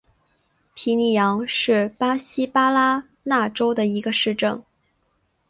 皮尼扬是巴西巴拉那州的一个市镇。